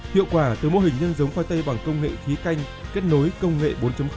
hiệu quả từ mô hình nhân giống khoai tây bằng công nghệ khí canh kết nối công nghệ bốn